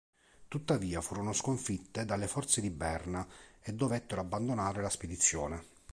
Tuttavia furono sconfitte dalle forze di Berna e dovettero abbandonare la spedizione.